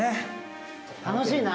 楽しいな。